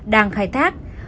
đang khai thác